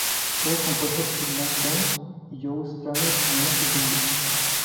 Todos compuestos por Mick Jones y Joe Strummer a menos que se indique.